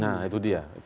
nah itu dia